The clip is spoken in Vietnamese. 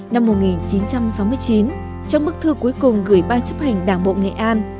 năm một nghìn chín trăm sáu mươi chín trong bức thư cuối cùng gửi ba chấp hành đảng bộ nghệ an